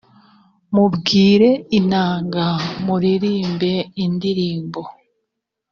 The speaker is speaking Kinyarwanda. mubwire inanga muririmbe indirimbo